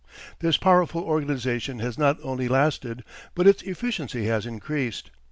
This powerful organization has not only lasted but its efficiency has increased.